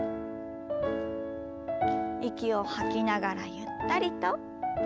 息を吐きながらゆったりと。